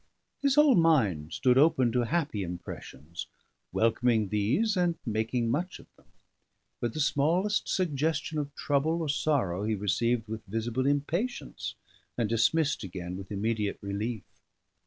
His whole mind stood open to happy impressions, welcoming these and making much of them; but the smallest suggestion of trouble or sorrow he received with visible impatience, and dismissed again with immediate relief.